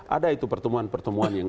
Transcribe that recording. ada itu pertemuan pertemuan yang